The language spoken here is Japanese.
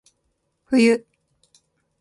冬